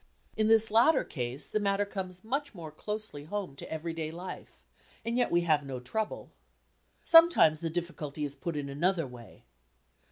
In this latter case the matter comes much more closely home to everyday life and yet we have no trouble. Sometimes the difficulty is put in another way.